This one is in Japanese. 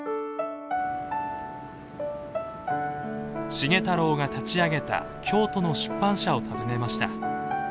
繁太郎が立ち上げた京都の出版社を訪ねました。